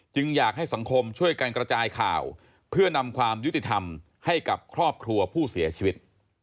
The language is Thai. อยากให้สังคมช่วยกันกระจายข่าวเพื่อนำความยุติธรรมให้กับครอบครัวผู้เสียชีวิต